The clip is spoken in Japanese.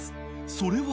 ［それは］